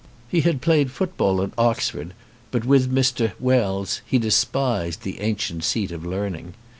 He had played football at Oxford, but with Mr. Wells 66 HENDERSON he despised the ancient seat of learning.